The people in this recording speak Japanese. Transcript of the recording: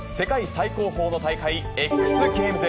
最高峰の大会、ＸＧａｍｅｓ。